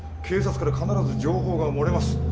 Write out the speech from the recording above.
警察から必ず情報が漏れます。